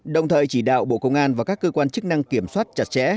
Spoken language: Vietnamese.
đồng thời chỉ đạo bộ công an và các cơ quan chức năng kiểm soát chặt chẽ